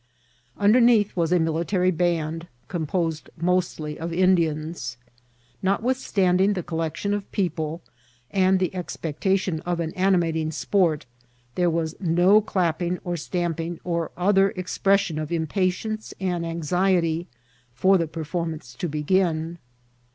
Underneath was a military band, composed mostly of Indians. Notmth* standing the collection of people, and the expectation g( an animating sport, there was no cla^^ring or stamp ing, or other expresmon of impatience and anxiety for the performance to begin.